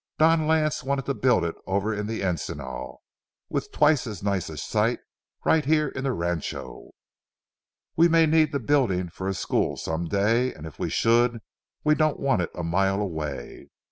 Don Lance wanted to build it over in the encinal, with twice as nice a site right here in the rancho. We may need the building for a school some day, and if we should, we don't want it a mile away.